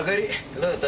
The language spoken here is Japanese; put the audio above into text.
どうだった？